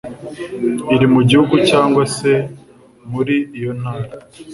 iri mu gihugu cyangwa se muri iyo ntara